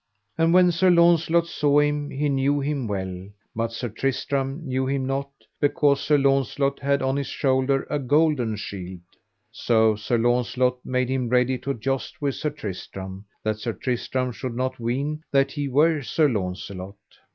And when Sir Launcelot saw him he knew him well, but Sir Tristram knew him not because Sir Launcelot had on his shoulder a golden shield. So Sir Launcelot made him ready to joust with Sir Tristram, that Sir Tristram should not ween that he were Sir Launcelot.